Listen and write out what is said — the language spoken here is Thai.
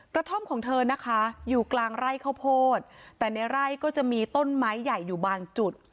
ท่อมของเธอนะคะอยู่กลางไร่ข้าวโพดแต่ในไร่ก็จะมีต้นไม้ใหญ่อยู่บางจุด